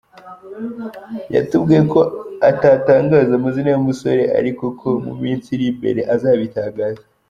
Yatubwiye ko atatangaza amazina y’umusore ariko ko mu minsi iri imbere azabitangaza.